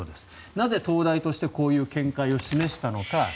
なぜ東大としてこういう見解を示したのか。